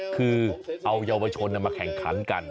คือเอาเยาวชนมาแข่งขันกัน